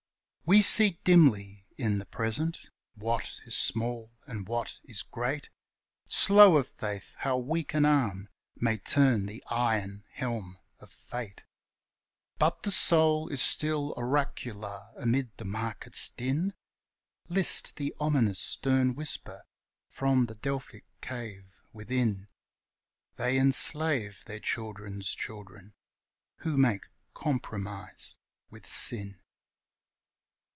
We see dimly in the Present what is small and what is great, Slow of faith, how weak an arm may turn the iron helm of fate, But the soul is still oracular; amid the market's din, List the ominous stern whisper from the Delphic cave within, "They enslave their children's children who make compromise with sin."